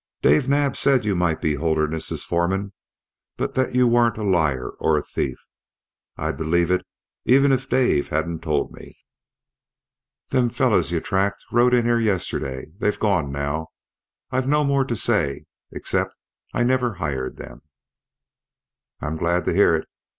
Dave Naab said you might be Holderness's foreman, but you weren't a liar or a thief. I'd believe it even if Dave hadn't told me." "Them fellers you tracked rode in here yesterday. They're gone now. I've no more to say, except I never hired them." "I'm glad to hear it.